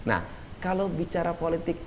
nah kalau bicara politik